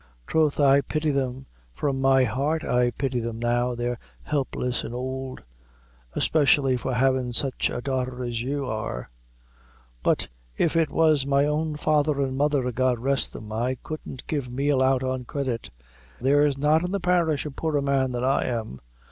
"Troth I pity them from my heart I pity them now they're helpless and ould especially for havin' sich a daughter as you are; but if it was my own father an' mother, God rest them, I couldn't give meal out on credit. There's not in the parish a poorer man than I am.